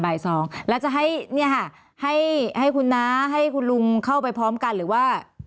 บ่าย๒แล้วจะให้คุณน้าให้คุณลุงเข้าไปพร้อมกันหรือว่า